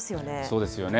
そうですよね。